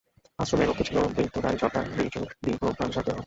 আশ্রমের রক্ষী ছিল বৃদ্ধ দ্বারী সর্দার, ঋজু দীর্ঘ প্রাণসার দেহ।